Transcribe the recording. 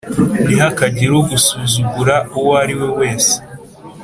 Ntihakagire ugusuzugura uwo ariwe wese